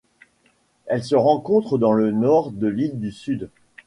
Elle se rencontre dans le nord de l'île du Sud.